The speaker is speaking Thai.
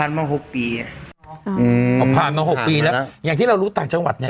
ซึ่งการยกของตุ๊กต่างจังหวัดเนี่ย